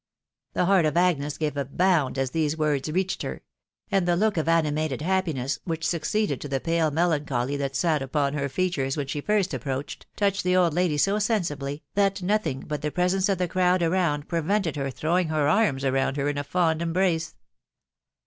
The heart of Agnes gave a bound as these words reached her ; and the look of animated happiness which succeeded to the pale melancholy that sat upon her features when she first approached, touched the old lady so sensibly, that nothing but the presence of the crowd around prevented her throwing her arms around her in a fond embrace.